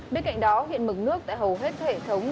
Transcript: bên cạnh đó hiện mực nước tại hầu hết các hệ thống